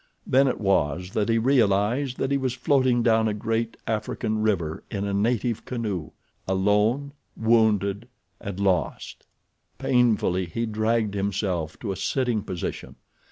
Then it was that he realized that he was floating down a great African river in a native canoe—alone, wounded, and lost. Painfully he dragged himself to a sitting position.